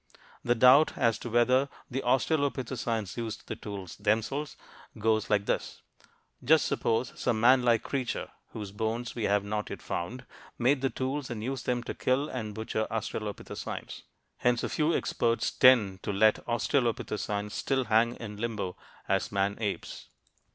The doubt as to whether the australopithecines used the tools themselves goes like this just suppose some man like creature (whose bones we have not yet found) made the tools and used them to kill and butcher australopithecines. Hence a few experts tend to let australopithecines still hang in limbo as "man apes."